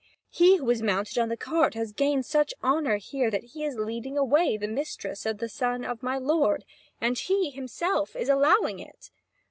He who was mounted on the cart has gained such honour here that he is leading away the mistress of the son of my lord, and he himself is allowing it.